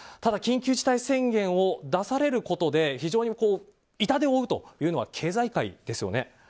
緊急事態宣言を出されることで非常に痛手を負うというのは経済界ですよね。